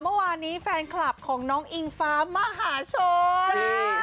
เมื่อวานนี้แฟนคลับของน้องอิงฟ้ามหาชน